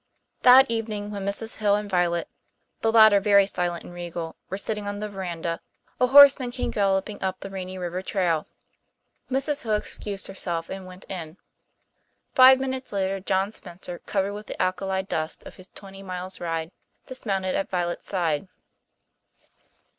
That evening when Mrs. Hill and Violet the latter very silent and regal were sitting on the verandah, a horseman came galloping up the Rainy River trail. Mrs. Hill excused herself and went in. Five minutes later John Spencer, covered with the alkali dust of his twenty miles' ride, dismounted at Violet's side.